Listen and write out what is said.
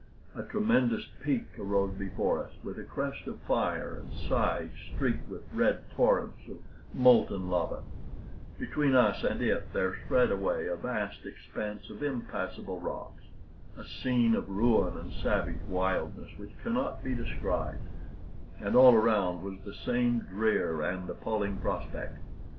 A tremendous peak arose before us, with a crest of fire and sides streaked with red torrents of molten lava; between us and it there spread away a vast expanse of impassable rocks a scene of ruin and savage wildness which cannot be described, and all around was the same drear and appalling prospect.